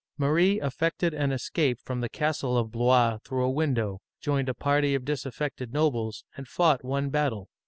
Marie effected an escape from the castle of Blois through a window, joined a party of dis affected nobles, and fought one battle.